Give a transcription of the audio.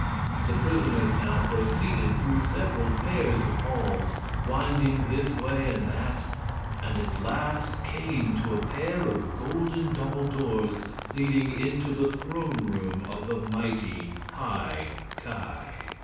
The prisoners now proceeded through several pairs of halls, winding this way and that, and at last came to a pair of golden double doors leading into the throne room of the mighty High Ki.